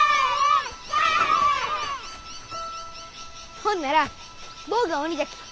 ほんなら坊が鬼じゃき。